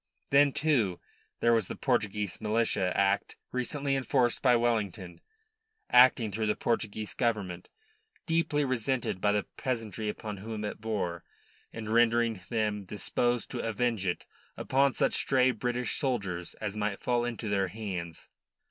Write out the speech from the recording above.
Then, too, there was the Portuguese Militia Act recently enforced by Wellington acting through the Portuguese Government deeply resented by the peasantry upon whom it bore, and rendering them disposed to avenge it upon such stray British soldiers as might fall into their hands.